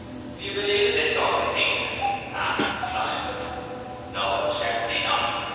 'Do you believe in this sort of thing, then?' asked Slyme. 'No; certainly not.